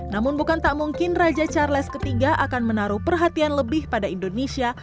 namun bukan tak mungkin raja charles iii akan menaruh perhatian lebih pada indonesia